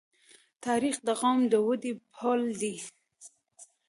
تاریخ د قوم د ودې پل دی.